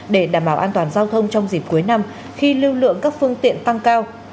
để đảm bảo an toàn giao thông trong dịp cuối năm khi lưu lượng các phương tiện tăng cao